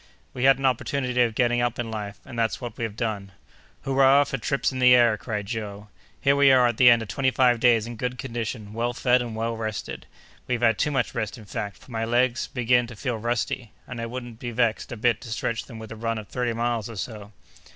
"We had an opportunity of getting up in life, and that's what we have done!" "Hurrah for trips in the air!" cried Joe. "Here we are at the end of twenty five days in good condition, well fed, and well rested. We've had too much rest in fact, for my legs begin to feel rusty, and I wouldn't be vexed a bit to stretch them with a run of thirty miles or so!"